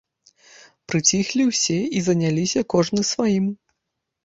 Прыціхлі ўсе і заняліся кожны сваім.